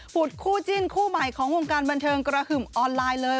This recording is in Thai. คู่จิ้นคู่ใหม่ของวงการบันเทิงกระหึ่มออนไลน์เลย